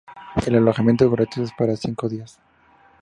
El alojamiento, gratuito, era por cinco días.